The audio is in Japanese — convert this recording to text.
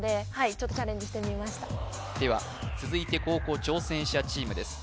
ちょっとチャレンジしてみましたでは続いて後攻挑戦者チームです